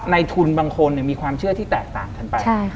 ในทุนบางคนมีความเชื่อที่แตกต่างกันไป